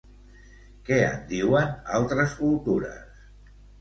Què en diuen altres cultures?